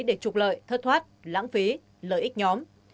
để trục lợi thất thoát lãng phí lợi ích nhóm